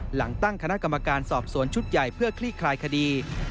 หลังตั้งคณะกรรมการสอบสวนชุดใหญ่เพื่อคลี่คลายคดี